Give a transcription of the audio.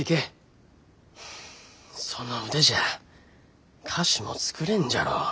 その腕じゃあ菓子も作れんじゃろう。